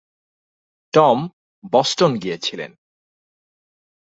Tom Boston গেছিলেন।